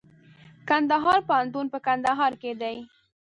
کندهار پوهنتون په کندهار کي دئ.